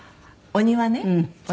お庭はね